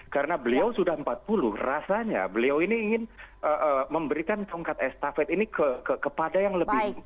karena beliau sudah empat puluh rasanya beliau ini ingin memberikan tongkat estafet ini kepada yang lebih tinggi